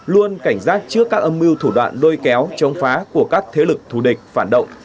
luôn cảnh giác trước các âm mưu thủ đoạn đôi kéo chống phá của các thế lực thù địch phản động